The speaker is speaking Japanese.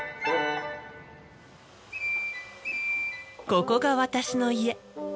ここが私の家。